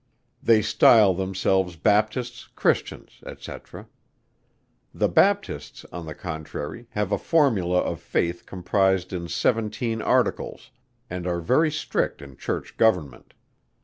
They style themselves Baptists, Christians, &c. The Baptists on the contrary have a formula of faith comprised in seventeen articles, and are very strict in church government.